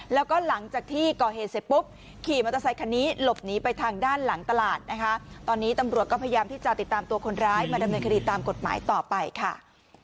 ตัวคนร้ายมาดำเนินคดีตามกฎหมายต่อไปค่ะ